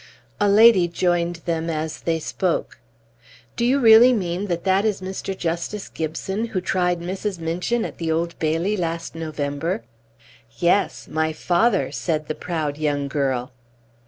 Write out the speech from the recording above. A lady joined them as they spoke. "Do you really mean that that is Mr. Justice Gibson, who tried Mrs. Minchin at the Old Bailey last November?" "Yes my father," said the proud young girl.